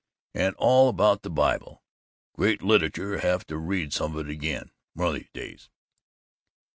And all about the Bible. Great literature. Have to read some of it again, one of these days."